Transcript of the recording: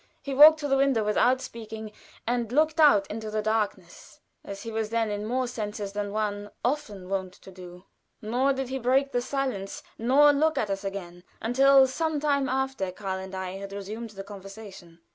He walked to the window without speaking, and looked out into the darkness as he was then in more senses than one often wont to do nor did he break the silence nor look at us again until some time after Karl and I had resumed the conversation.